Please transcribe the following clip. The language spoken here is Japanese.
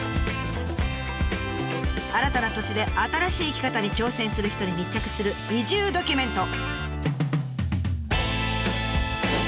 新たな土地で新しい生き方に挑戦する人に密着する移住ドキュメント。